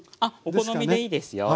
お好みでいいですよ。